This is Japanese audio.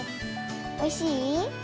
おいしい？